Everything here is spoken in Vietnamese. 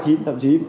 thậm chí ba mươi